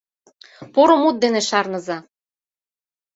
Поро мут ден шарныза!